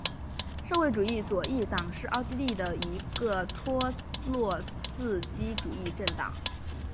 社会主义左翼党是奥地利的一个托洛茨基主义政党。